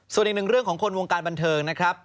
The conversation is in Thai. ส่วนอีกหนึ่งเรื่องของคนวงการบันเทิงนะครับ